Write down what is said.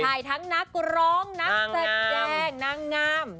ใช่ทั้งนักร้องนักแสดงนางงาม